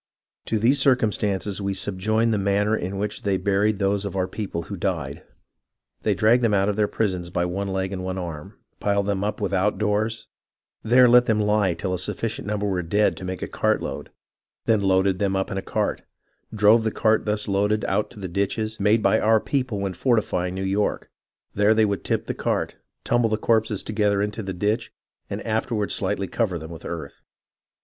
... "To these circumstances we subjoin the manner in which they buried those of our people who died. They dragged them out of their prisons by one leg and one arm, piled them up without doors, there let them lie till a sufficient number were dead to make a cart load, then loaded them up in a cart, drove the cart thus loaded out to the ditches, made by our people when fortifying New York ; there they would tip the cart, tumble the corpses together into the ditch, and afterward slightly cover them with earth.